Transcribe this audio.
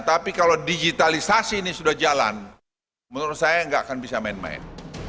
tapi kalau digitalisasi ini sudah jalan menurut saya nggak akan bisa main main